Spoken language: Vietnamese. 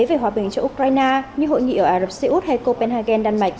về hòa bình cho ukraine như hội nghị ở ả rập xê út hay copenhagen đan mạch